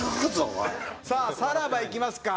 さあさらばいきますか。